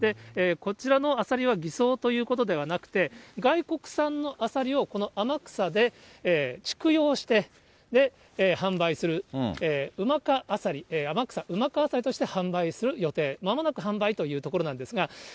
こちらのアサリは偽装ということではなくて、外国産のアサリをこの天草で畜養して、販売する、うまかアサリ、天草うまかアサリとして販売する予定、まもなく販売というところなんですが。